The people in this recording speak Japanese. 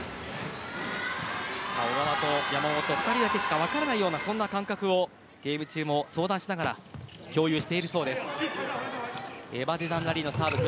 小川と山本、２人だけしか分からないような、そんな感覚をゲーム中も相談しながら共有しているそうです。